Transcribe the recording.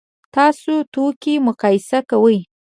تاسو توکي مقایسه کوئ؟